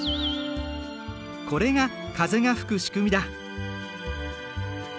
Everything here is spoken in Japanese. これが風が吹く仕組みだ。